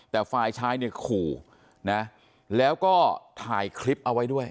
แต่ฝ่ายชายเนี่ยขู่นะแล้วก็ถ่ายคลิปเอาไว้ด้วย